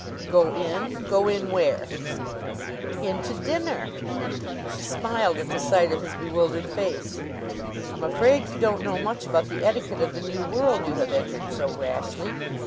"Go in? Go in where?" "In to dinner." She smiled at the sight of his bewildered face. "I'm afraid you don't know much about the etiquette of the new world you have entered so rashly.